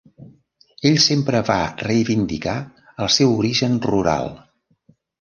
Ell sempre va reivindicar el seu origen rural.